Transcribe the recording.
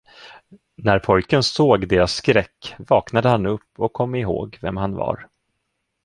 När pojken såg deras skräck, vaknade han upp och kom ihåg vem han var.